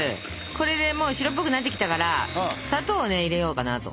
これでもう白っぽくなってきたから砂糖をね入れようかなと。